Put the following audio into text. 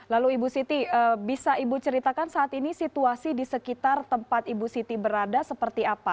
lalu ibu siti bisa ibu ceritakan saat ini situasi di sekitar tempat ibu siti berada seperti apa